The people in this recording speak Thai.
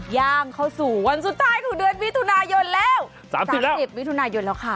ย่างเข้าสู่วันสุดท้ายของเดือนมิถุนายนแล้ว๓๐มิถุนายนแล้วค่ะ